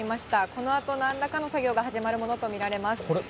このあとなんらかの作業が始まるものと見られます。